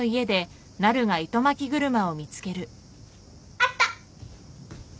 あった。